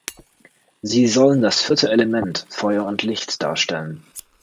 Sie sollen das "vierte Element" Feuer und Licht darstellen.